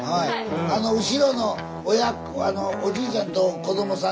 あの後ろのおじいちゃんと子どもさん